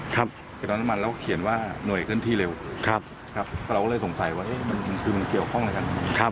แก่รอนน้ำมันแล้วก็เขียนว่าหน่วยขึ้นที่เร็วเราก็เลยสงสัยว่ามันเกี่ยวข้องอะไรกัน